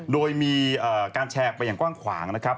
โดยมีการแชร์ออกไปอย่างกว้างขวางนะครับ